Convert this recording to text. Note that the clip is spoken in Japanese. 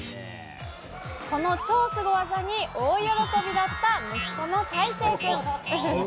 この超スゴ技に大喜びだった、息子の大誠くん。